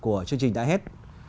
của chương trình đã hết